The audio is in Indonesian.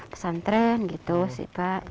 pesantren gitu syifa